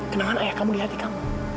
kenalan ayah kamu di hati kamu